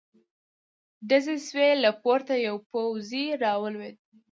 ډزې شوې، له پورته يو پوځې را ولوېد.